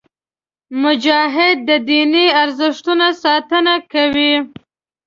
مجاهد د دیني ارزښتونو ساتنه کوي.